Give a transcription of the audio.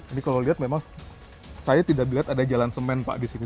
ini kalau lihat memang saya tidak melihat ada jalan semen pak di situ